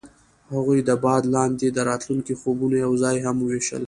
هغوی د باد لاندې د راتلونکي خوبونه یوځای هم وویشل.